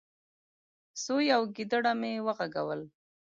. سوی او ګيدړه مې وغږول،